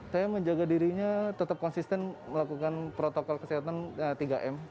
saya menjaga dirinya tetap konsisten melakukan protokol kesehatan tiga m